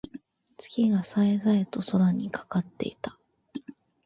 月が冴え冴えと空にかかっていた。